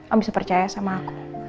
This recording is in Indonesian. aku bisa percaya sama aku